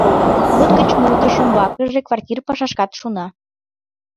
Мут гыч мутыш, умбакыже квартир пашашкат шуна.